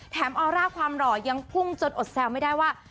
ออร่าความหล่อยังพุ่งจนอดแซวไม่ได้ว่า